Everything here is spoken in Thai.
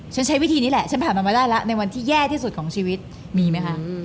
ใช้วิธีนี้แหละฉันผ่านมันมาได้แล้วในวันที่แย่ที่สุดของชีวิตมีไหมคะ